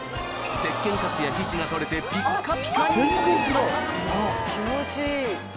せっけんカスや皮脂が取れてピッカピカに気持ちいい。